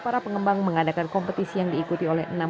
para pengembang mengadakan kompetisi yang diikuti oleh enam